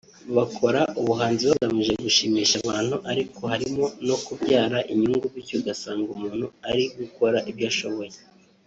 Bakora ubuhanzi bagamije gushimisha abantu ariko harimo no kubyara inyungu bityo ugasanga umuntu ari gukora ibyo ashoboye